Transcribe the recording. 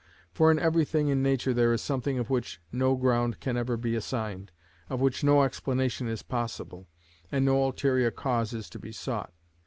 For in everything in nature there is something of which no ground can ever be assigned, of which no explanation is possible, and no ulterior cause is to be sought.